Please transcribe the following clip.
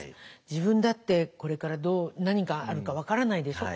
自分だってこれから何があるか分からないでしょ。